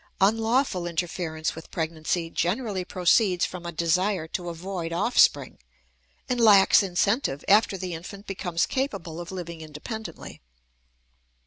Unlawful interference with pregnancy generally proceeds from a desire to avoid offspring, and lacks incentive after the infant becomes capable of living independently.